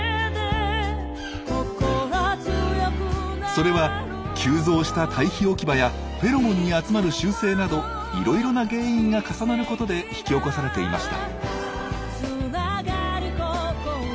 それは急増した堆肥置き場やフェロモンに集まる習性などいろいろな原因が重なることで引き起こされていました。